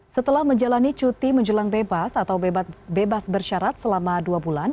setelah menjalani cuti menjelang bebas atau bebas bersyarat selama dua bulan